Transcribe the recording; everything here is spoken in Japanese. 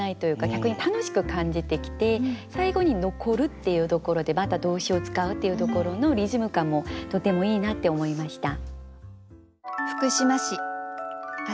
逆に楽しく感じてきて最後に「残る」っていうところでまた動詞を使うっていうところのリズム感もとてもいいなって思いました。